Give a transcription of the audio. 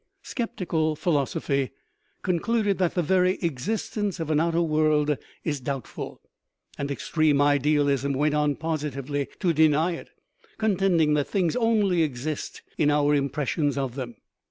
Sceptical philosophy con cluded that the very existence of an outer world is doubtful, and extreme idealism went on positively to deny it, contending that things only exist in our im pressions of them.